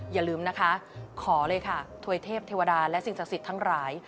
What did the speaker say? อย่าลืมนะคะขอเลยค่ะถวยเทพเทวดาและสิ่งศักดิ์สิทธิ์ทั้งหลาย